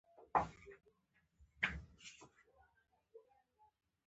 کله کله به ټوخی او د پزو د پورته کشېدو غږونه پورته شول.